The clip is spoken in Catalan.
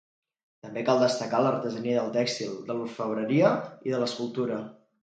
També cal destacar l'artesania del tèxtil, de l'orfebreria i de l'escultura.